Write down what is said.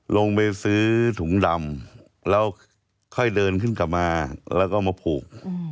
ลงไปซื้อถุงดำแล้วค่อยเดินขึ้นกลับมาแล้วก็มาผูก